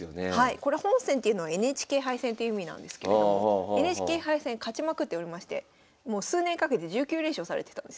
これ本戦というのはＮＨＫ杯戦という意味なんですけれどもＮＨＫ杯戦勝ちまくっておりましてもう数年かけて１９連勝されてたんです。